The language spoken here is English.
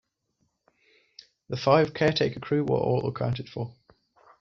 The five caretaker crew were all accounted for.